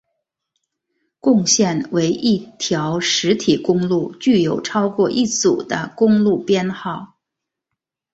共线为一条实体公路具有超过一组的公路编号。